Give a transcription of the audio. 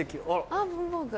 あっ文房具。